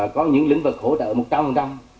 có những lĩnh vực hỗ trợ